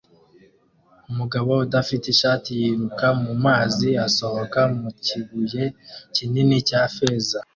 Umugabo udafite ishati yiruka mu mazi asohoka mu kibuye kinini cya feza